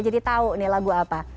jadi tahu ini lagu apa